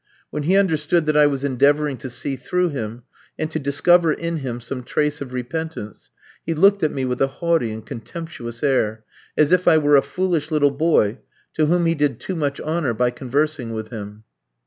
When he understood that I was endeavouring to see through him, and to discover in him some trace of repentance, he looked at me with a haughty and contemptuous air, as if I were a foolish little boy, to whom he did too much honour by conversing with him.